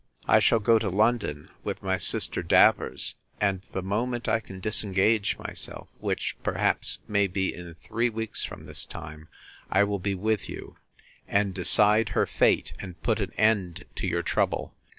I shall go to London, with my sister Davers; and the moment I can disengage myself, which, perhaps, may be in three weeks from this time, I will be with you, and decide her fate, and put an end to your trouble.